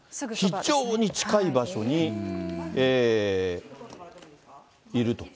非常に近い場所にいると。